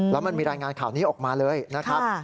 แล้วมันมีรายงานข่าวนี้ออกมาเลยนะครับ